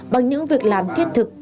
bằng những việc làm thiết thực